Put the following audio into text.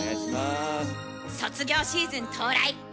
卒業シーズン到来。